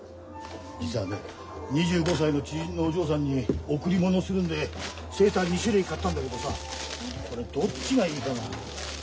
実はね２５歳の知人のお嬢さんに贈り物するんでセーター２種類買ったんだけどさこれどっちがいいかな？